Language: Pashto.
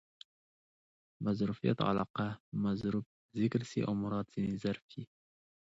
مظروفیت علاقه؛ مظروف ذکر سي او مراد ځني ظرف يي.